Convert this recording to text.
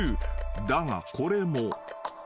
［だがこれも］